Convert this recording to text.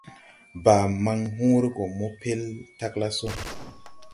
Baa man hõõre go mo pel tagla so.